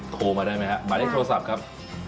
โทรมาได้ไหมฮะหมายเลขโทรศัพท์ครับ